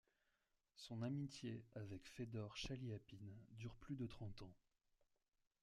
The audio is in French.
Son amitié avec Fédor Chaliapine dure plus de trente ans.